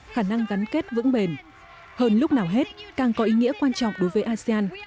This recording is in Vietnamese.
khả năng gắn kết vững bền hơn lúc nào hết càng có ý nghĩa quan trọng đối với asean